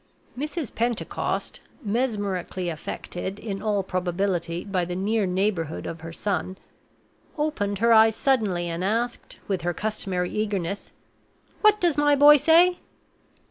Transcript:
Mrs. Pentecost (mesmerically affected, in all probability, by the near neighborhood of her son) opened her eyes suddenly and asked, with her customary eagerness. "What does my boy say?"